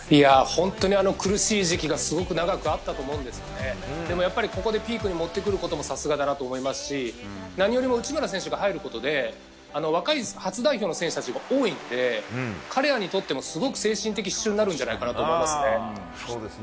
苦しい時期が長くあったと思いますがやっぱりここでピークに持ってくることもさすがだなと思いますし何よりも内村選手が入ることで若い初代表の選手たちが多いので、彼らにとっても精神的支柱になるんじゃないかと思います。